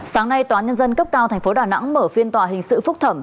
sáng nay tòa nhân dân cấp cao tp đà nẵng mở phiên tòa hình sự phúc thẩm